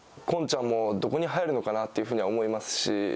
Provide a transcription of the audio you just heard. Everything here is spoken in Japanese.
コンちゃんもどこに入るのかなというふうに思いますし。